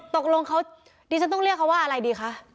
ตกลงเขาดีจะต้องเลียกทำว่าอะไรดีคะ